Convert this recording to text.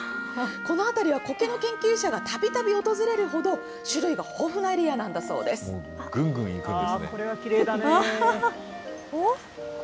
この辺りはコケの研究者がたびたび訪れるほど、種類が豊富なエリぐんぐん行くんですね。